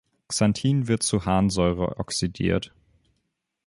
Xanthin wird zu Harnsäure oxidiert.